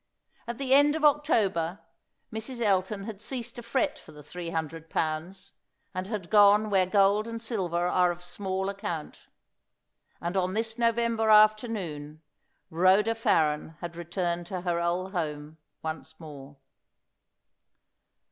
At the end of October Mrs. Elton had ceased to fret for the three hundred pounds, and had gone where gold and silver are of small account. And on this November afternoon Rhoda Farren had returned to her old home once more.